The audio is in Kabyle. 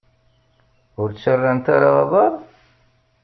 Ur ttarrant ara aḍar?